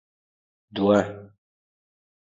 دوه